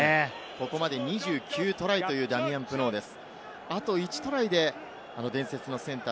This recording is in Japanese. ここまで２９トライというダミアン・プノーです。